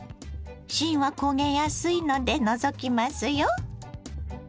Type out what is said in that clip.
芯は焦げやすいので除きますよ。